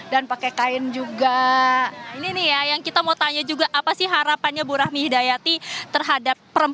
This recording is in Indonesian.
dan pakai kain juga ini yang kita mau tanya juga pasta sih harapannya burahmi hidayati perhatian